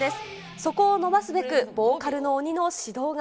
そこを伸ばすべく、ボーカルの鬼の指導が。